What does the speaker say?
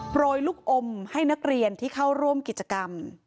โรยลูกอมให้นักเรียนที่เข้าร่วมกิจกรรม